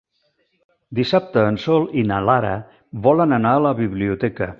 Dissabte en Sol i na Lara volen anar a la biblioteca.